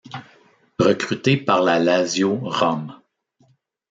Recruté par la Lazio Rome.